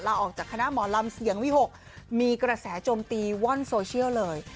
ลาออกจากคณะหมอลำเสียงวิหกมีกระแสโจมตีว่อนโซเชียลเลย